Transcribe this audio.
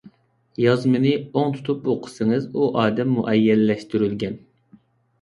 يازمىنى ئوڭ تۇتۇپ ئوقۇسىڭىز ئۇ ئادەم مۇئەييەنلەشتۈرۈلگەن.